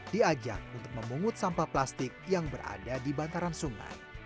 diajak untuk memungut sampah plastik yang berada di bantaran sungai